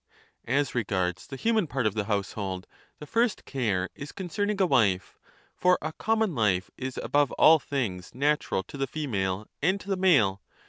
As regards the human part of the household, the first care 3 is concerning a wife ; for a common life is above all things natural to the female and to the male.